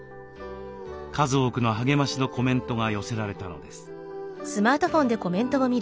数多くの励ましのコメントが寄せられたのです。